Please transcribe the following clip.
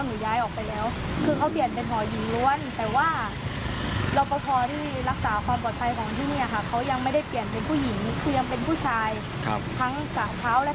น้องมีความคิดเห็นว่าอย่างไร